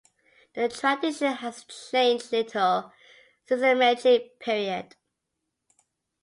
The tradition has changed little since the Meiji period.